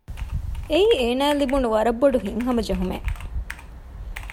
އެއީ އޭނާއަށް ލިބުނު ވަރަށް ބޮޑު ހިތްހަމަޖެހުމެއް